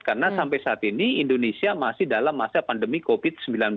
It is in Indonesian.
karena sampai saat ini indonesia masih dalam masa pandemi covid sembilan belas